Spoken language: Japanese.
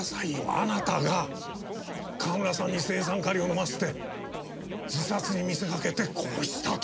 あなたが川村さんに青酸カリを飲ませて自殺に見せかけて殺したと。